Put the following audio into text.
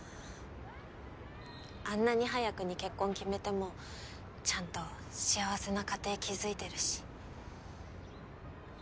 あんなに早くに結婚決めてもちゃんと幸せな家庭築いてるし。